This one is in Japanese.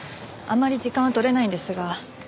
あまり時間は取れないんですが。